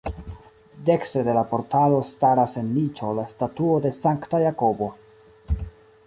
Dekstre de la portalo staras en niĉo la statuo de Sankta Jakobo.